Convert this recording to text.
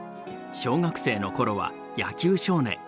小学生の頃は野球少年。